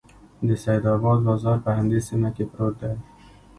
د سیدآباد بازار په همدې سیمه کې پروت دی.